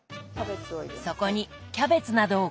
そこにキャベツなどを加え。